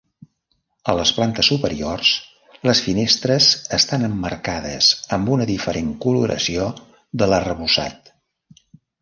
A les plantes superiors les finestres estan emmarcades amb una diferent coloració de l'arrebossat.